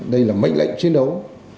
đây là máy lệnh chiến đấu